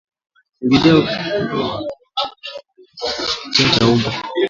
Kuingiliana kwa karibu kwa mbwa mwitu hupelekea ugonjwa wa kichaa cha mbwa